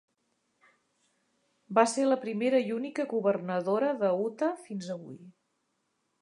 Va ser la primera i única governadora de Utah fins avui.